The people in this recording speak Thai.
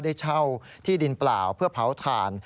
ได้เช่าที่ดินเปล่าเพื่อเผาถ่าน